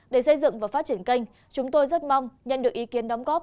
để xây dựng và phát triển kênh chúng tôi rất mong nhận được ý kiến đóng góp